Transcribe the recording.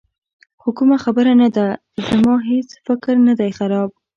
خو کومه خبره نه ده، زما هېڅ فکر نه دی خراب.